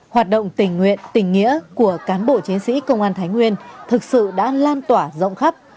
hoạt động tình nguyện tình nghĩa của cán bộ chiến sĩ công an thái nguyên thực sự đã lan tỏa rộng khắp